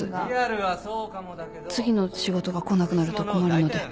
次の仕事が来なくなると困るので。